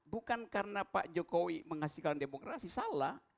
bukan karena pak jokowi menghasilkan demokrasi salah